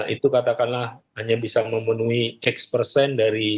itu katakanlah hanya bisa memenuhi x persen dari tarif